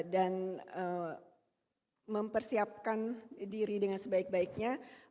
dan mempersiapkan diri dengan sebaik baiknya